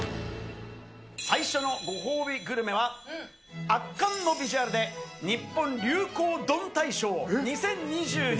最初のご褒美グルメは、圧巻のビジュアルで日本流行丼大賞２０２２